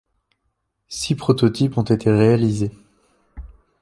Six prototypes ont été réalisés.